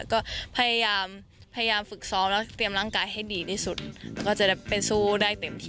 ก็พยายามฝึกซ้อมแล้วเตรียมร่างกายให้ดีที่สุด